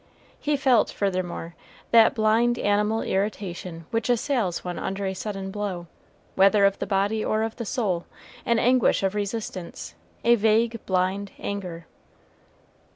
He felt, furthermore, that blind animal irritation which assails one under a sudden blow, whether of the body or of the soul, an anguish of resistance, a vague blind anger.